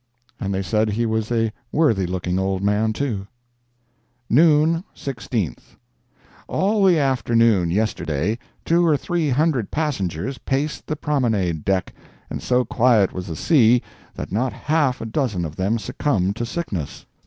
And they said he was a worthy looking old man too. NOON, 16th All the afternoon, yesterday, two or three hundred passengers paced the promenade deck, and so quiet was the sea that not half a dozen of them succumbed to sickness.